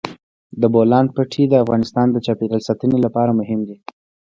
د بولان پټي د افغانستان د چاپیریال ساتنې لپاره مهم دي.